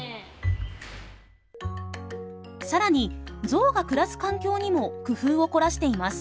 更にゾウが暮らす環境にも工夫を凝らしています。